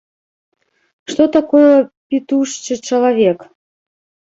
Што такое пітушчы чалавек?